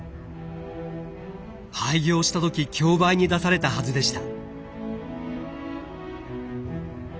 廃業した時競売に出されたはずでした。